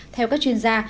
theo các chuyên gia